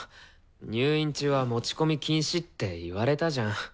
入院中は持ち込み禁止って言われたじゃん。